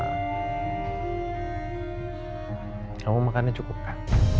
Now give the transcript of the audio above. kamu makannya cukup kak